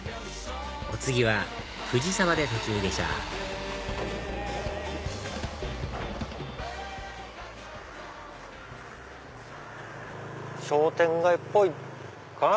お次は藤沢で途中下車商店街っぽいかな？